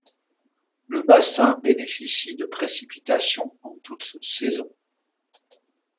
Le bassin bénéficie de précipitations en toutes saisons.